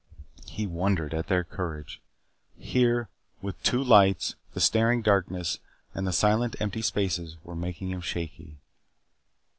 He wondered at their courage. Here, with two lights, the staring darkness and the silent empty spaces were making him shaky.